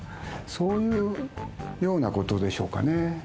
そういうような事でしょうかね。